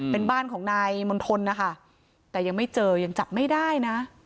เป็นบ้านของนายมณฑลนะคะแต่ยังไม่เจอยังจับไม่ได้นะ